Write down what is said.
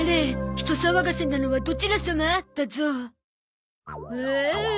人騒がせなのはどちら様？だゾ。